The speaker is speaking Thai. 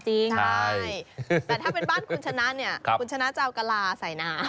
ใช่แต่ถ้าเป็นบ้านคุณชนะเนี่ยคุณชนะจะเอากะลาใส่น้ำ